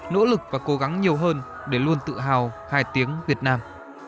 nỗ lực và cố gắng nhiều hơn để luôn tự hào hai tiếng việt nam